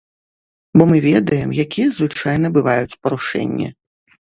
Бо мы ведаем, якія звычайна бываюць парушэнні.